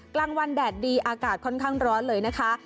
กลางวันแดดดีอากาศค่อนข้างร้อนเลยนะคะ